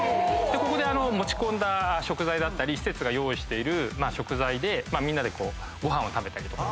ここで持ち込んだ食材だったり施設が用意してる食材でみんなでご飯を食べたりとか。